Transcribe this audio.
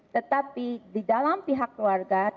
tetapi di dalam pihak keluarga banyak pertimbangan dan keputusan